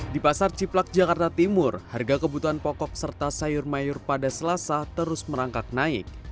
di pasar ciplak jakarta timur harga kebutuhan pokok serta sayur mayur pada selasa terus merangkak naik